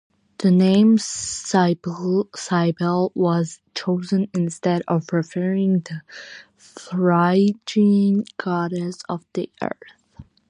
The name Cybele was chosen instead, referring to the Phrygian goddess of the earth.